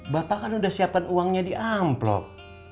bapak kan udah siapkan uangnya di amplop